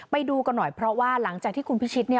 ไปดูกันหน่อยเพราะว่าหลังจากที่คุณพิชิตเนี่ย